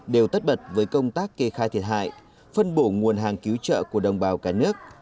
đều tất bật với công tác kê khai thiệt hại phân bổ nguồn hàng cứu trợ của đồng bào cả nước